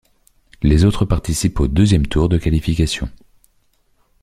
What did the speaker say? Les autres participent au deuxième tour de qualification.